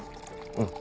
うん。